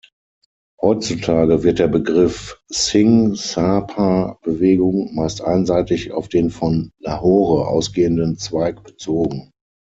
Heutzutage wird der Begriff "Singh-Sabha-Bewegung" meist einseitig auf den von Lahore ausgehenden Zweig bezogen.